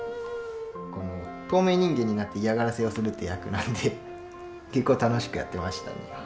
この透明人間になって嫌がらせをするという役なんで結構楽しくやってましたね。